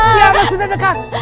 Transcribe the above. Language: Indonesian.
kiamat sudah dekat